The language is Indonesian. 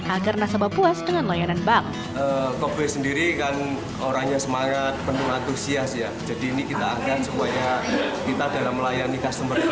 agar nasabah puas dengan layanan bank